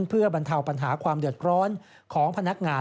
เพื่อบรรเทาปัญหาความเดือดร้อนของพนักงาน